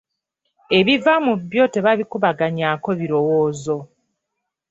Ebiva mu byo tebabikubaganyaako birowoozo.